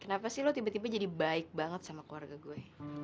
kenapa sih lo tiba tiba jadi baik banget sama keluarga gue